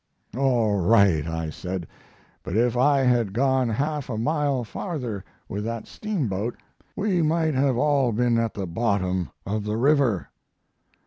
"'All right,' I said. 'But if I had gone half a mile farther with that steamboat we might have all been at the bottom of the river.'